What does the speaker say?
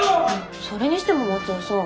それにしても松尾さん。